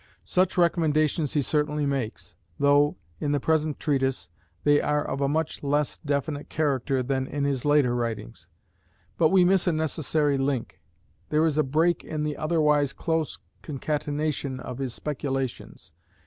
Such recommendations he certainly makes, though, in the present Treatise, they are of a much less definite character than in his later writings. But we miss a necessary link; there is a break in the otherwise close concatenation of his speculations.